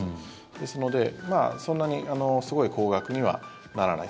ですので、そんなにすごい高額にはならない。